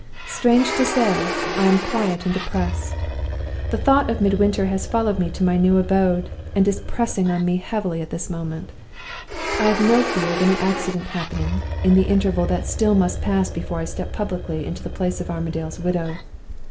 Strange to say, I am quiet and depressed. The thought of Midwinter has followed me to my new abode, and is pressing on me heavily at this moment. I have no fear of any accident happening, in the interval that must still pass before I step publicly into the place of Armadale's widow.